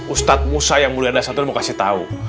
ustadz musa yang udah ada santri mau kasih tau